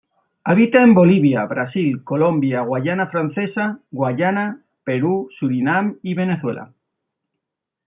Habita en Bolivia, Brasil, Colombia, Guayana Francesa, Guayana, Perú, Surinam y Venezuela.